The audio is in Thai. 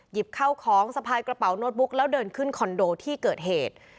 เข้าของสะพายกระเป๋าโน้ตบุ๊กแล้วเดินขึ้นคอนโดที่เกิดเหตุ